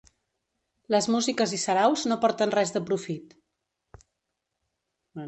Les músiques i saraus no porten res de profit.